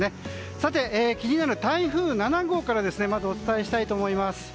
さて、気になる台風７号からまずお伝えしたいと思います。